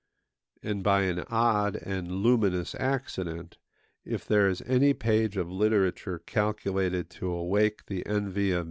And by an odd and luminous accident, if there is any page of literature calculated to awake the envy of M.